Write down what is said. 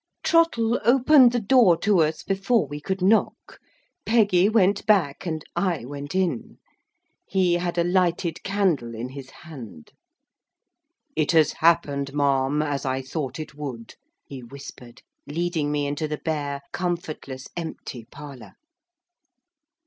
Trottle opened the door to us, before we could knock. Peggy went back, and I went in. He had a lighted candle in his hand. "It has happened, ma'am, as I thought it would," he whispered, leading me into the bare, comfortless, empty parlour.